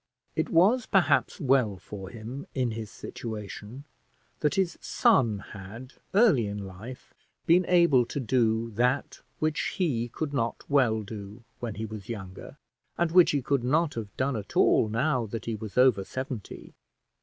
It was perhaps well for him, in his situation, that his son had early in life been able to do that which he could not well do when he was younger, and which he could not have done at all now that he was over seventy.